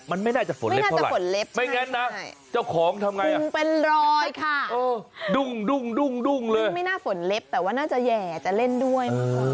ไม่น่าฝนเล็บแต่ว่าน่าจะแห่จะเล่นด้วย